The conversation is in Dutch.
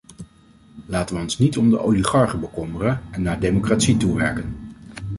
Laten we ons niet om de oligarchen bekommeren en naar democratie toewerken.